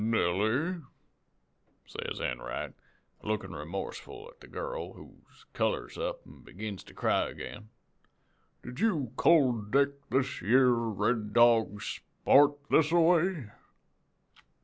"'Nellie,' says Enright, lookin' remorseful at the girl, who colors up an' begins to cry agin, 'did you cold deck this yere Red Dog sport this a way?'